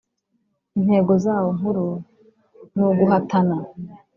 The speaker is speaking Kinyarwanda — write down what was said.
Intego zawo nkuru ni uguhatana